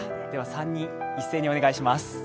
３人一斉にお願いします。